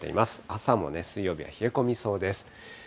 朝もね、水曜日は冷え込みそうです。